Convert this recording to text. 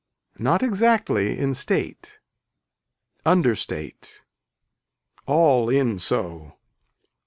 Not exactly in state. Understate. All in so.